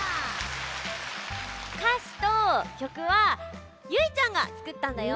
かしときょくはゆいちゃんがつくったんだよ。